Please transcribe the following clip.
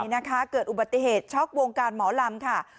นี่นะคะเกิดอุบัติเหตุช็อกวงการหมอลำค่ะ